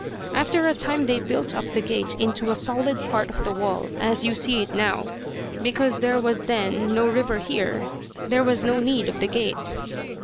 After a time they built up the gate into a solid part of the wall, as you see it now; because as there was then no river here, there was no need of the gate.